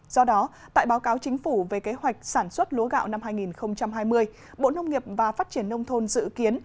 do đó tại báo cáo chính phủ về kế hoạch sản xuất lúa gạo năm hai nghìn hai mươi bộ nông nghiệp và phát triển nông thôn dự kiến